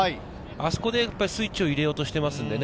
あそこでスイッチを入れようとしていますからね。